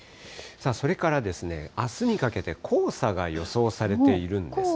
それからあすにかけて、黄砂が予想されているんですね。